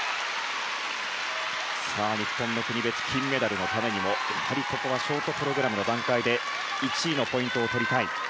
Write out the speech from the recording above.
日本の国別対抗戦金メダルのためにもショートプログラムの段階で１位のポイントをとりたい。